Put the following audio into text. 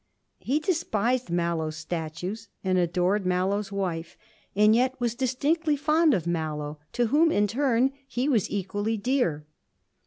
He despised Mallow's statues and adored Mallow's wife, and yet was distinctly fond of Mallow, to whom, in turn, he was equally dear.